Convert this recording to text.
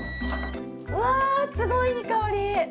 うわすごいいい香り！